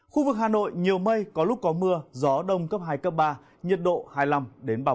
khu vực hà nội nhiều mây có lúc có mưa gió đông cấp hai cấp ba nhiệt độ hai mươi năm ba mươi bốn